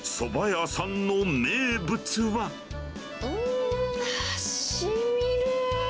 うーん、しみるー。